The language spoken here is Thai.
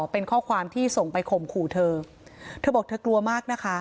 เป็นข้อความที่ส่งไปข่มขู่เธอเธอบอกเธอกลัวมากนะคะ